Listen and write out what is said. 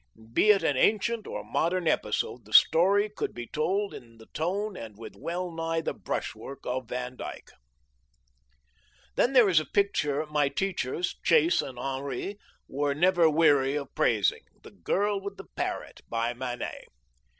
Be it an ancient or modern episode, the story could be told in the tone and with well nigh the brushwork of Van Dyck. Then there is a picture my teachers, Chase and Henri, were never weary of praising, the Girl with the Parrot, by Manet.